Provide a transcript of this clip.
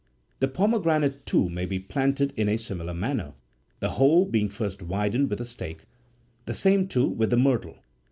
The pome granate, too, may be planted in a similar manner, the hole being first widened with a stake ; the same, too, with the myrtle.